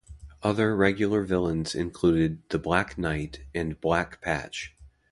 Other regular villains included The Black Knight and Black Patch.